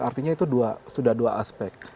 artinya itu sudah dua aspek